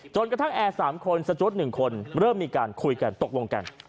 กระทั่งแอร์๓คนสจวด๑คนเริ่มมีการคุยกันตกลงกัน